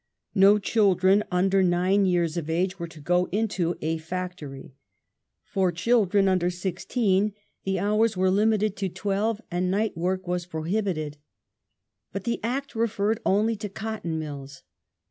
No children under nine yeai's of age were to go into a factory ; for children under sixteen the hours were limited to twelve, and night work was prohibited. But the Act refeired only to cotton mills.